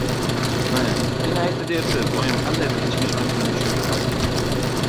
— Mana, meni aytdi dersiz, — oyim qandaydir ichki ishonch bilan tushuntiradi.